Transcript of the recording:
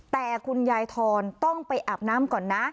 แต่คุณยายทอนต้องไปอาบน้ำก่อนนะ